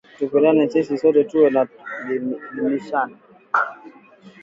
Tupendane sisi sote tuwe na limishana